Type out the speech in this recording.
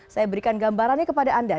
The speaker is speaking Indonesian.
saya berikan gambarannya kepada anda